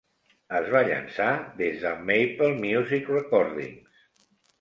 Es va llançar des de MapleMusic Recordings.